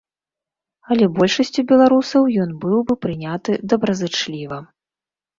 Але большасцю беларусаў ён быў бы прыняты добразычліва.